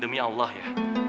demi allah ya